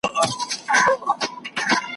او ملي سرود ,